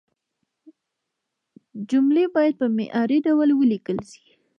جملې باید په معياري ډول ولیکل شي.